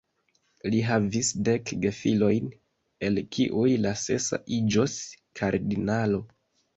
Li havis dek gefilojn, el kiuj la sesa iĝos kardinalo.